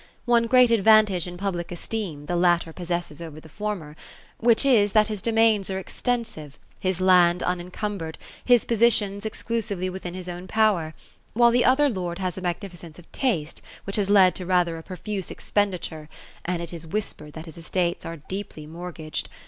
One ^reat advantage in public esteem, the latter possesses over the former; which is, that his domains are extensive, his land unencumbered, his possessions exclu sively within his own power ; while the other lord has a niagnificence of taste which has led to rather a profuse expenditure, and it is whinpered that his estates are deeply mortgaged.